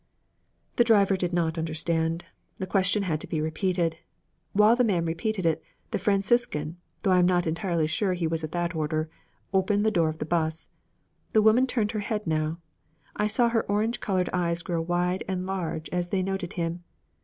The driver did not understand. The question had to be repeated. While the man repeated it, the Franciscan though I am not entirely sure he was of that order opened the door of the 'bus. The woman turned her head now. I saw her orange colored eyes grow wide and large as they noted him.